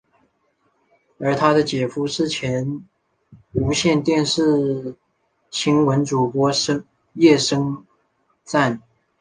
而他的姐夫是前无线电视新闻主播叶升瓒。